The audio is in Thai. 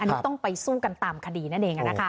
อันนี้ต้องไปสู้กันตามคดีนั่นเอง